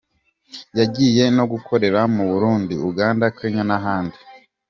Yagiye no gukorera mu Burundi, Uganda, Kenya n’ahandi.